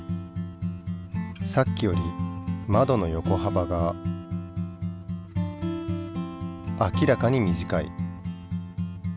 さっきよりまどの横はばが明らかに短い。